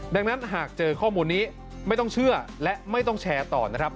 ดังนั้นหากเจอข้อมูลนี้ไม่ต้องเชื่อและไม่ต้องแชร์ต่อนะครับ